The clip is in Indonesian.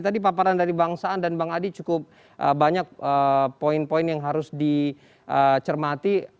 tadi paparan dari bang saan dan bang adi cukup banyak poin poin yang harus dicermati